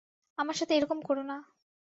আমার সাথে এরকম করো না।